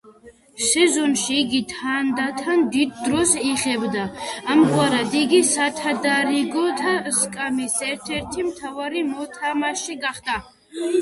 სეზონში იგი თანდათან დიდ დროს იღებდა; ამგვარად იგი სათადარიგოთა სკამის ერთ-ერთი მთავარი მოთამაშე გახდა.